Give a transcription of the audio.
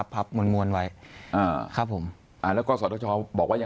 คริกนะครับ